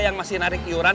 yang masih menarik yuran